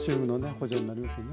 補助になりますね。